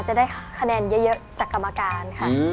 จะได้คะแนนเยอะจากกรรมการค่ะ